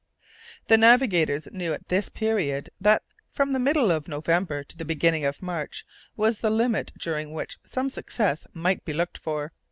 The navigators knew at this period, that from the middle of November to the beginning of March was the limit during which some success might be looked for.